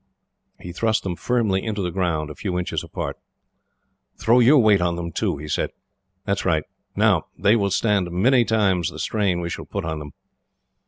He thrust them firmly into the ground, a few inches apart. "Throw your weight on them, too," he said. "That is right. Now they will stand many times the strain we shall put on them.